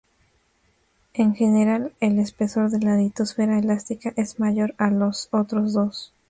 En general, el espesor de la litosfera elástica es mayor a los otros dos.